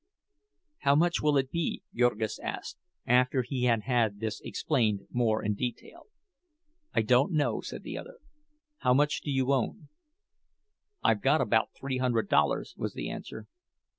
"How much will it be?" Jurgis asked, after he had had this explained more in detail. "I don't know," said the other. "How much do you own?" "I've got about three hundred dollars," was the answer.